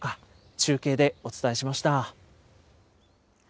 中継でお伝えしました。